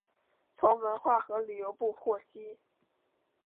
从文化和旅游部获悉